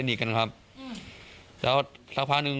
พี่เขาลงมาจากรถ